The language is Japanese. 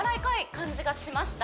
感じがしました